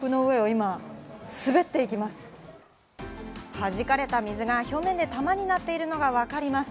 弾かれた水が表面で玉になっているのがわかります。